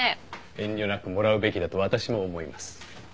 遠慮なくもらうべきだと私も思います。